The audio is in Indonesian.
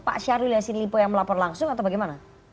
pak syarulilasin limpo yang melapor langsung atau bagaimana